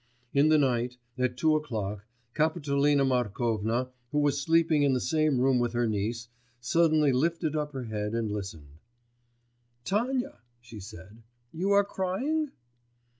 In the night, at two o'clock, Kapitolina Markovna, who was sleeping in the same room with her niece, suddenly lifted up her head and listened. 'Tanya,' she said, 'you are crying?